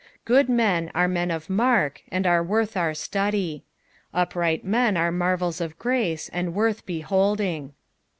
Qood men are men of mark, and are worth our study. Upright men are marvels of grace, and woith beholding.